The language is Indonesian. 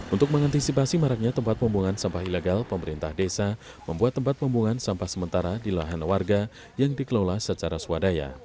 untuk mengantisipasi maraknya tempat pembuangan sampah ilegal pemerintah desa membuat tempat pembuangan sampah sementara di lahan warga yang dikelola secara swadaya